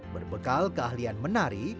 berbekal keahlian menari